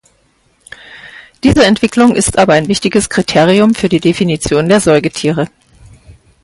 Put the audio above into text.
Diese Entwicklung ist aber ein wichtiges Kriterium für die Definition der Säugetiere.